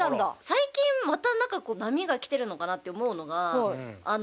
最近また波が来てるのかなって思うのがああ。